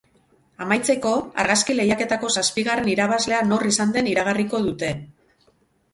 Amaitzeko, argazki lehiaketako zazpigarren irabazlea nor izan den iragarriko dute.